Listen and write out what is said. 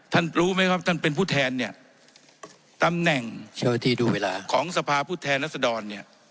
ท่านรู้ไหมครับท่านเป็นผู้แทนนี่ตำแหน่งของสภาพุทธแทนรัศดร